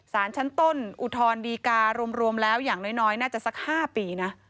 สารชั้นต้นอุทธรณดีการ์รวมแล้วอย่างน้อยน่าจะสัก๕ปีนะ